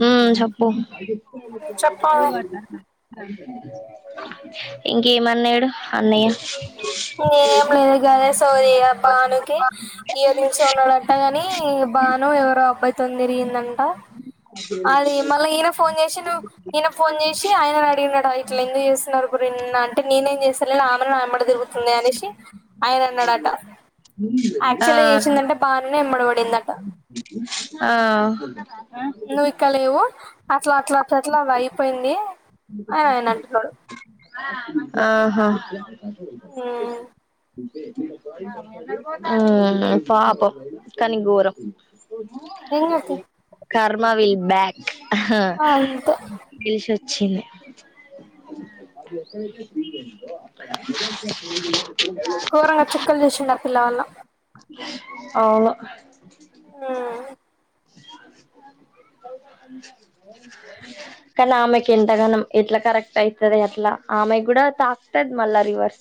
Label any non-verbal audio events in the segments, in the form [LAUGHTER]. హ్మ్ చెప్ ఓ చెప్పవే బోర్ పడ్తది అట ఇంకేమన్నాడు అన్నయ్య ఏం లేదు గాదే సోది బానుకి ఇయర్ నుంచి ఉన్నాడట్టగాని బాను ఎవరో అబ్బాయితో తిరిగిందంట అది మళ్ళ ఈయన ఫోన్ ఈయన ఫోన్ చేసి ఆయన అడిగిండట ఇట్లా ఎందుకు చేస్తున్నారు [UNINTELLIGIBLE] అంటే నేనేం చేస్తలేను ఆమెనే నాయమిటి తిరుగుతు అనేసి ఆయన అన్నాడట ఆ యాక్చువల్ చేసిదంతా బానూనె అయన ఎమ్మాటి పడింది అట ఆ నువ్వు ఇక్కాలేవు అట్లా అట్లా అట్లా అది అయిపోయింది. అని అడిగినట్టు ఉన్నాడు. ఆహా అ పాపం కానీ ఘోరం ఎమ్ గద్ తీయ్ కర్మా విల్ బ్యాక్ అంతే టీషర్ట్ ఛీ లే ఘోరంగా చుక్కలు చూసిండు ఆ పిల్లవాళ్ళ అవును ఆ [UNINTELLIGIBLE] కనామ ఎంతగానం ఎట్లా కరెక్ట్ అయితది ఎట్లా ఆమె కూడా తాకుతది మళ్ళా రివర్స్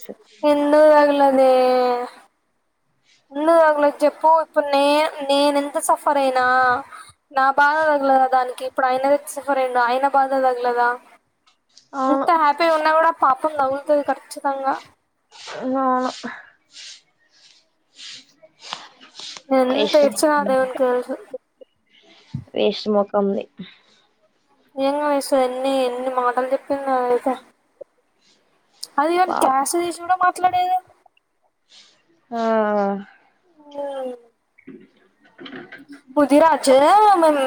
ఎందుగలదే ఉంది తగలేదు చెప్పు ఇప్పుడు నే నేన ఎంత సఫర్ అయినా, నా బాధ తగలేదా దానికి ఇప్పుడు ఆయన సఫర్ అయిడు ఆయన బాధ తగలేదా. అవును ఇంత హ్యాపీ గా ఉన్న కూడా పాప అ నవ్వుతుంది కచ్చితంగా నవును [UNINTELLIGIBLE] ఎంత ఏడ్చినా అ దేవున్ కే తెల్సు తొమ్మిది నింగా విష ఎన్ని ఎన్ని మాటలు చెప్పిందో తెలుసా అదిన్ పాపం కష్ తెసి కూడాడం మా ఎట్లా నేను ఆఅ ఊ ముదిరాజేమన్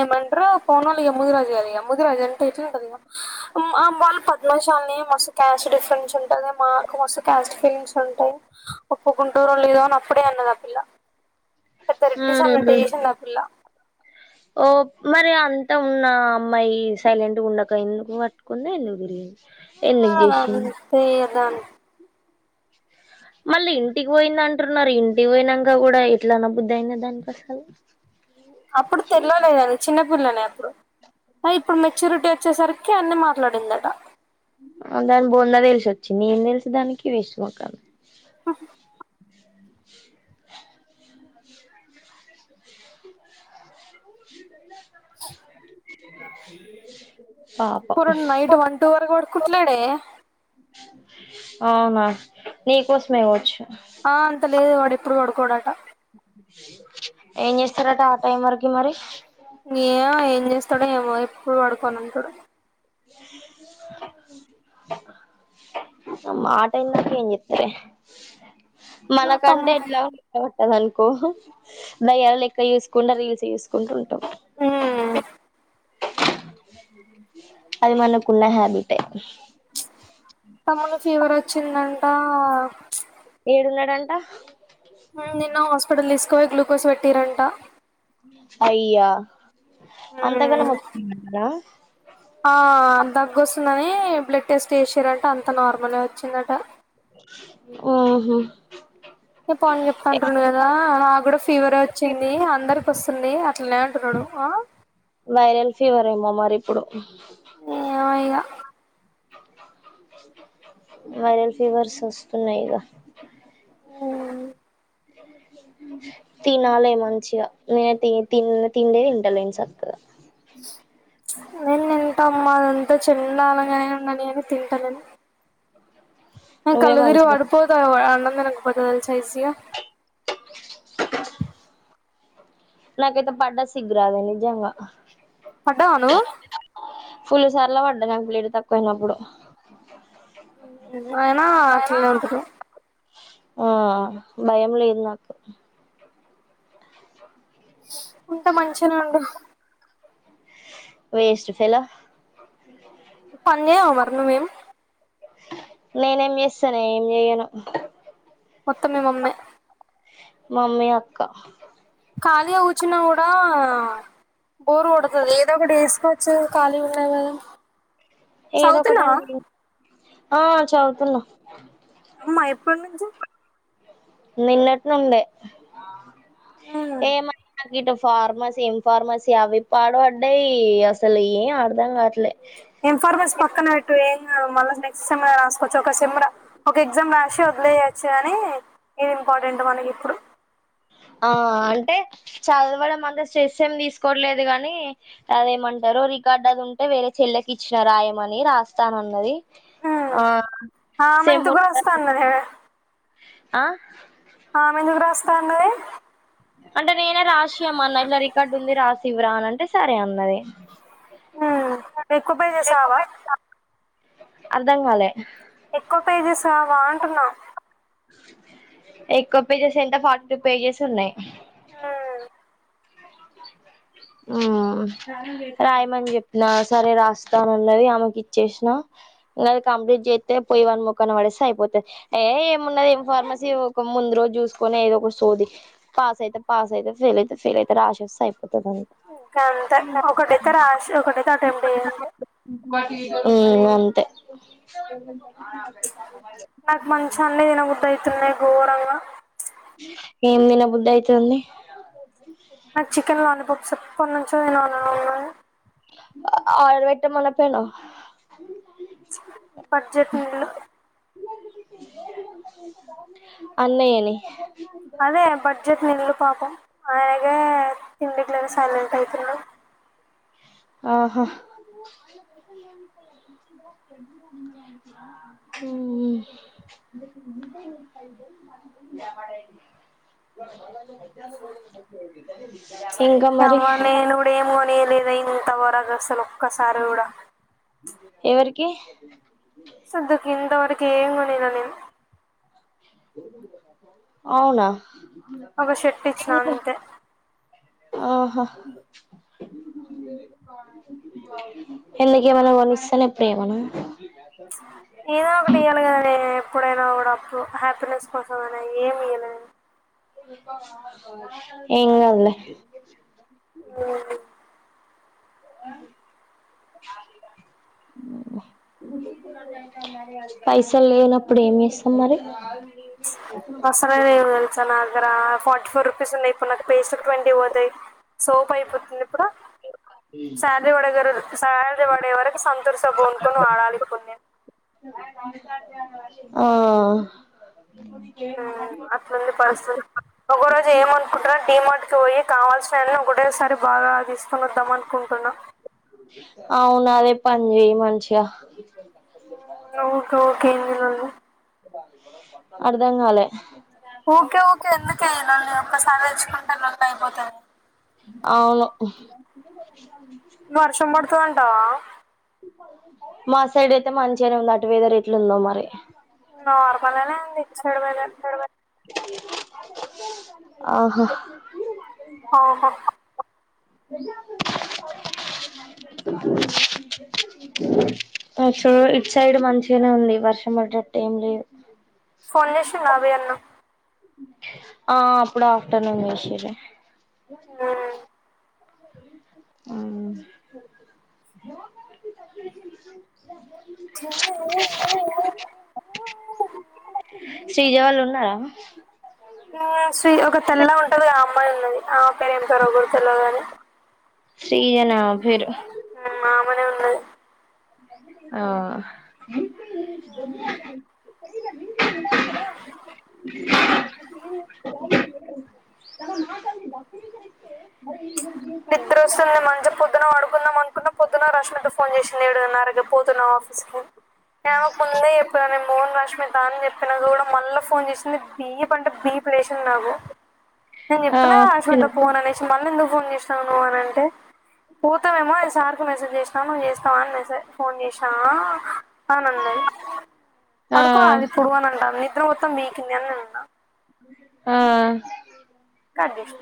ఏమంటారు పోన్ వాళ్ళ ముదిరాజయాలిగ ముదిరాజు అంటే ఎట్లా ఉంటది. ఇ వాళ్ళు పద్మాశాలని మస్తు క్యాస్ట్ డిఫరెన్స్ ఉంటది. మాకు మస్తు క్యాస్ట్ ఫీలింగ్స్ ఉంటాయి. ఒప్పుకుంటూరు, లేదో అని అప్పుడే అన్నది ఆ పిల్ల. పెద్ద రెడ్టి సన్న హ్మ్ టే సన్ని అ పిల్ల ఓ మరి అంతా ఉన్న అమ్మాయి సైలెంట్గా ఉండక ఎందుకు పట్టుకుంది ఎందుకు తిరిగింది. ఎందుకు చేసింది ఆదంతె ఇక దాని మళ్ళీ ఇంటికి పోయింద అంటున్నారు. ఇంటికి పోయినాక కూడా ఎట్లా అన బుద్ధి అయిన దానికసలు. అప్పుడు తెల్లలేదంని చిన్న ల అప్పుడు ఇప్పుడు మెచ్యూరిటీ వచ్చేసరికి అన్ని మాట్లాడిందట. దాని బొంద తెల్సొచ్చింది. ఏం తెలుసు దానికి వేస్ట్ మొఖాని [UNINTELLIGIBLE] [UNINTELLIGIBLE] పరు నైట్ వన్ టూ వరకు కూడా పడుకుంటా లెరే అవునా నీకోసమే ఇవచ్చు. ఆ అంత లేదు వాడి ఇప్పుడు పాడుకోడట ఏం చేస్తారట ఆ టైం వరకి మరి ఎమొ ఎం చెస్ అక్కడేమో ఎప్పుడు పడుకోనఅంటడు. [UNINTELLIGIBLE] న మాట ఇంద ఎం చెబితావే మనకంటే తమ్ము ఎట్లా ఉ కదనుకో దయాల లెక్క చూసుకుండా రీల్స్ చూసుకుంటుంట. హు అది మనకున్న హ్యాబిటే ఆ ఏడున్నాడంట నిన్న హాస్పిటల్ తీసు పోయి గ్లుకోస్ పెట్టిరంటా అయ్యా అంతగానం ఉమ్ [UNINTELLIGIBLE] ఆ దగ్గు వస్తుందని బ్లడ్ టెస్ట్ చేశిరంట అంత నార్మల్ వచ్చిందట ఓహో [UNINTELLIGIBLE] చెప్తుంటుడు కదా నా కూడా ఫీవర్ వచ్చింది. అందరికి వస్తుంది. తులన్ [UNINTELLIGIBLE] డుం ఆ వైరల్ ఫీవర్ ఏమో మరి ఇప్పుడు ఏమో ఇగా వైరల్ ఫీవర్స్ వస్తున్నాయ్ గా తినాలి మంచిగా నేను తి తిండే తంటలేను సక్కగా నేను తింటా అమ్మా అదంతా చెండాలంగానే ఉండని అని తింటలేను నేను నువ్వే కల్లూతిరిగి మంచిగా పడిపోతా గదా అన్న మనకు [UNINTELLIGIBLE] నాకు ఐతే పడ్డ సిగ్గు రాలె నిజంగా పడ్డవ నువ్వు ఫుల్ సార్లు పడ్డ నాకు బ్లడ్ తక్కువయినప్పుడు. అయిన అట్లే ఉంటది. ఆ భయము లేదు నాకు ఉంట మంచినే ఉండు వెస్ట్ ఫెలో పని చేయవా మరి నువ్వు ఎమ్ నేనేం చేస్తానే ఏం చేయను మొత్తం మీ మమ్మే మమ్మీ అక్క ఖాళీగా కూర్చున గూడా ఆ బోరు కొడుతది ఏదో ఒకటి వేసుకోవచ్చు ఖాళీగా ఉన్నాయి గదా ఏదో ఒకటి అండి ఆ చదువుతున్నా అమ్మా ఎప్పుడి నుంచి నిన్నటినుండే ఏమో అం ఇటు ఫార్మసీ ఎమ్ ఫార్మసీ అవి పాడుబడ్డాయి అసలు ఏం అర్ధం కాట్లే ఎమ్ ఫార్మసీ పక్కన వెట్ ఇపుడు ఎమ్ కాదు మల్ల నెక్స్ట్ సమ్మర్ ల రాసుకో ఒక సెమ్ ర ఒక ఎగ్జామ్ రా రాశి ఓడిలేయొచ్చుగని ఇది ఇంపార్టెంట్ మనకి ఇప్పుడు ఆ అంటే చదవడం అంత స్ట్రెస్ ఏమి తీసుకోవట్లేదు గాని అదేమంటారు రికార్డ్ అది ఉంటే వేరే చెల్లకి ఇచ్చిన రాయమని రాస్తా అన్నది ఉ ఆమెంతుకు రాస్తా అన్నదే ఆ ఆమె ఎందుకు రాస్త అన్నది అంటే నేనే రాసియమన్న ఇట్ల రికార్డు ఉంది రాసి ఇవ్వురా అని అంటే సరే అన్నది ఆ ఎక్కువ పేజెస్ రావ అర్ధాం కాలే ఎక్కువ పేజెస్ రావా అంటున్నా ఎక్కువ పేజెస్ ఎంత ఫార్టీ టూ పేజెస్ ఉన్నాయి హు రాయమని చెప్పిన సరే రాస్తా అని అన్నది ఆమెకిచ్చేసినా నాది కంప్లీట్ జేస్తే పోయి వాన్ ముఖన పడేస్తే అయిపోతది ఏ ఏమున్నది ఏం ఫార్మసీ ఒక ముందు రోజు చూసుకొని ఏదో ఒక సోది పాస్ అయితే పాస్ అయిత ఫెయిల్ అయితే ఫెయిల్ అయిత రాశి వస్తే అయిపోతది అంతే గాంతే ఒకటైతే రాసి ఒకటైతే అటెంప్ట్ చేయి అంతే ఉ అంతే నాకు మంచిగా అన్ని తిన్నబుదై యితున్నాయి గోరంగా ఏం తిన బుద్ధి అయితుంది నక్ చికెన్ లాలీపప్స్ ఎప్పటి నున్ చో తినాలనుంది ఆర్డర్ వెట్ట మనపేనవ్ బడ్జెట్ నీల్ అన్నయని అదే బడ్జెట్ నిల్లు పాపం ఆయనకే తిండికి లేక సైలెంట్ అయితున్న ఆహా హ్మ [UNINTELLIGIBLE] త్వర గాసలు ఒక్కసారి కూడా ఎవరికి సద్దుకు ఇంతవరకు ఏం కొనియాలే నేను అవునా ఒక షర్ట్ ఇచ్చినా అంతే ఆహా ఎందుకు ఏం అయిన కొనిస్తేనే ప్రేమనా ఏదో ఒకటి ఇయ్యాలి కద నే ఎప్పుడైనా కూడాప్పుడు హ్యాపీనెస్ కోసం అయినా ఏమి ఇయ్యలే నేను ఏం కాదు లే [INAUDIBLE] పైసలు లేనప్పుడు ఏం చేస్తాం మరి వసరదేవు వెళ్ చ నాన్ జరా ఫోర్ట్ ఫోర్ పిసన్నైపోన పేస్ట్ కి ట్వంటీ పోతాయి సోపు అయిపోతుంది ప్పుడు సాలరీ పడగారు సాలరీ పడే వరకు సంతూర్ సబ్బుకొనుక్కుని వాడాలి ఇప్పుడు నేను ఆ ఉమ్ అట్లుంది పరిస్థితి ఒకరోజు ఏమనుకుంట డి మార్ట్ పోయి కావాల్సినవి ఒకటేసారి బాగా తీసుకొని వద్దాం అనుకుంటున్నా అవును అదే పని చెయ్ మంచిగా ఊకె ఊకె ఏంది లొల్లి అర్థంగాలే ఊకె ఊకె ఎందుకే ఈ లొల్లి ఒకసారె తెచ్చుకుంటే అయిపోతాది అవును వర్షం పడుతది అంటావా మా సైడ్ అయితే మంచిగనే ఉంది అటుమీద రేట్లు ల్లో మరి నార్మల్ ఏనె ఉంది చోడుబాజా ఆహా ఆహా పక్షులు ఇటు సైడ్ మంచిగానే ఉంది వర్షం పడ్డట్టు ఏం లేదు ఫోన్ చేస్తుండా మీ అన్న ఆ అప్పుడు ఆఫ్టర్నూన్ చేసిర్రు ఓ ఆ మ్మ్ ఉండాలా సు ఒక తెల్లగుంటది ఆ అమ్మాయి ఉన్నది ఆ ఇక్కడ ఏం తొడ గొడుతున్నావ్ గానీ శ్రీ ఏనా ఆమ్ పేరు ఆమనే ఉన్నది అ నిద్రోస్తుంది మంచి పొద్దున పడుకుందాం అనుకున్న పొద్దున రష్మిత ఫోన్ చేసింది ఏడున్నర అరగపోతున్నా ఆఫీస్ కి మేమకు ముందే ఎప్పుడు నే పోన్ రష్మి త అని చెప్పినాక కూడా మళ్ళా ఫోన్ చేసింది బీప్ అంటే బీప్ లేసింది నాకు నేను ఆ చెప్తున్న అవసరం లే పోన్ అనేషి మల్ ఎందుకు ఫోన్ చే ఇస్తాను అని అంటే పోతామేమో సార్కి మెసేజ్ చేసా నువ్వు చేస్తావా అని మెసేజ్ ఫోన్ చేసావా అవునండి ఆ పడుకోవాలి ఇప్పుడు పడుకోవాలె అని అంటాను నిద్ర మొత్తం మీ కిందనే ఉన్నాయి ఆ కట్ చేసిన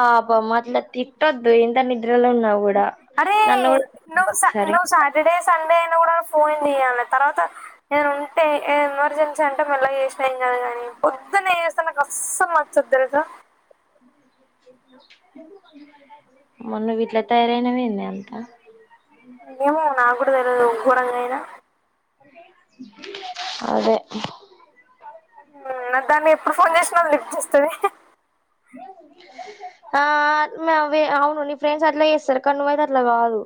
ఆబ మట్ల తిట్టొద్దు ఇంతా నిద్రలో ఉన్నాకూడా అరే నువ్ స సాటర్డే సండే కూడా ఫోన్ చేయాలె తర్వాత నేను ఉంటే ఏ ఎమర్జెన్సీ అంటే మల చేసినా ఏం కాదు కాని పొద్దున్న చేస్తే నాక్ అసల్ నచ్చదు తెల్సా మొన్న వీట్ల తయారయినదె అంతా ఏమో నాగ్గూడా తెలవదు కూరం గైన అదె ఇప్పుడు ఫోన్ చేస్తున్న లిఫ్ట్ చేస్తది ఆ అట్నె అవు అవును నీ ఫ్రెండ్స్ అట్లా చేస్తారు కానీ నువైయితే అట్లా కాదు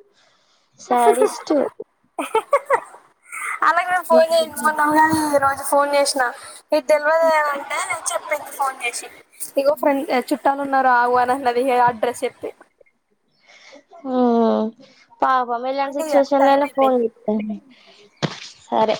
శాడిస్ట్ అలా గూడా ఫోన్ చేయించు కుంటా కదా అ ఫోన్ చేసినా నీక్ తెల్వదే ఉంటే మీక్ ఫోన్ చేసి ఇగో ఫ్రెడ్ టచ్ ఇట్టను ఉన్నార ఆవ నన్నది అడ్రెస్ చెప్తే ఉమ్ [UNINTELLIGIBLE] సిట్యుయేషన్ లోయిన ఫోన్ చూత్తుండ్నే సరె